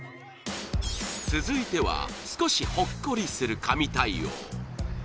続いては、少しほっこりする神対応。